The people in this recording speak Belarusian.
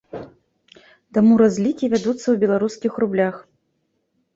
Таму разлікі вядуцца ў беларускіх рублях.